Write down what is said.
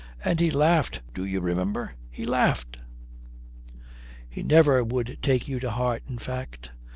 And he laughed, do you remember, he laughed!" "He never would take you to heart, in fact."